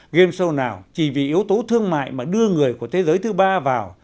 game show nào chỉ vì yếu tố thương mại mà đưa người của thế giới thứ ba vào